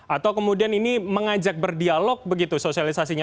atau kemudian ini mengajak berdialog begitu sosialisasinya